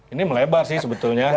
ini melebar sih sebetulnya